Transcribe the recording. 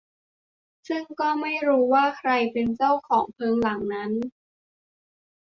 ซึ่งก็ไม่รู้ว่าใครเป็นเจ้าของเพิงหลังนั้น